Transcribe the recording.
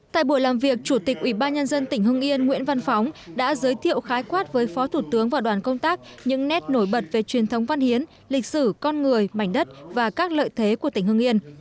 tại buổi làm việc chủ tịch ủy ban nhân dân tỉnh hưng yên nguyễn văn phóng đã giới thiệu khái quát với phó thủ tướng và đoàn công tác những nét nổi bật về truyền thống văn hiến lịch sử con người mảnh đất và các lợi thế của tỉnh hưng yên